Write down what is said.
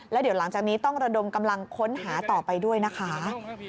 แล้วเดี๋ยวหลังจากนี้ต้องระดมกำลังค้นหาต่อไปด้วยนะคะ